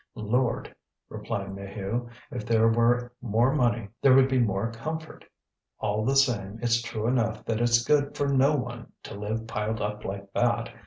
"Lord!" replied Maheu, "if there were more money there would be more comfort. All the same it's true enough that it's good for no one to live piled up like that.